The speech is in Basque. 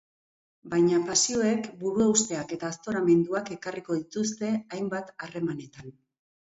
Baina pasioek buruhausteak eta aztoramenduak ekarriko dituzte hainbat harremanetan.